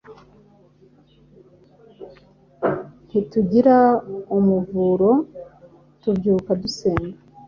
Ntitugira umuvuroTubyuka dusenga,